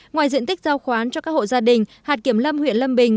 ngoài diện tích giao khoán cho các hộ gia đình hạt kiểm lâm huyện lâm bình